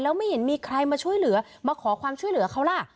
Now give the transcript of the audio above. แล้วไม่เห็นมีใครมาช่วยเหลือมาขอความช่วยเหลือเขาล่ะ